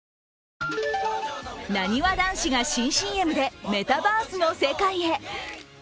なにわ男子が新ＣＭでメタバースの世界へ。